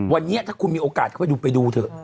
วันนี้ถ้าคุณมีโอกาสเข้าไปดูไปดูเถอะ